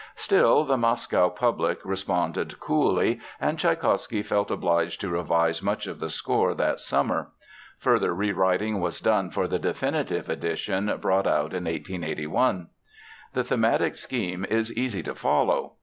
Still, the Moscow public responded coolly, and Tschaikowsky felt obliged to revise much of the score that summer. Further rewriting was done for the definitive edition brought out in 1881. The thematic scheme is easy to follow.